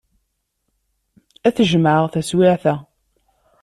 Ad t-jemɛeɣ taswiɛt-a.